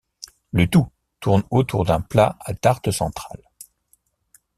Le tout tourne autour d'un plat à tarte central.